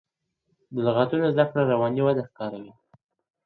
د لغتونو زده کړه رواني وده ښکاروي.